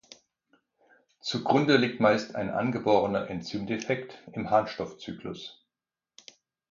Zugrunde liegt meist ein angeborener Enzymdefekt im Harnstoffzyklus.